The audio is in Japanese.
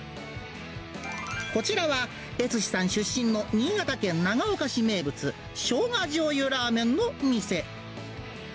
こちらは悦司さん出身の新潟県長岡市名物、生姜醤油ラーメンの店。